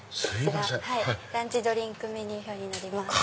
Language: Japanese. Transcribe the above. ランチドリンクメニュー表になります。